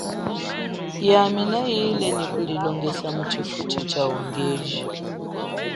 Yami na ile nyi kulilongesa mutshifutshi chaungeji.